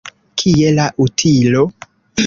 Kie la utilo?